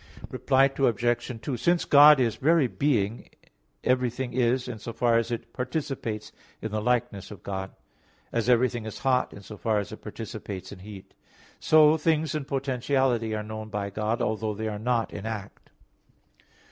Reply Obj. 2: Since God is very being everything is, in so far as it participates in the likeness of God; as everything is hot in so far as it participates in heat. So, things in potentiality are known by God, although they are not in act.